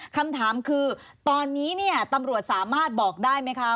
คำถามคือตอนนี้เนี่ยตำรวจสามารถบอกได้ไหมคะ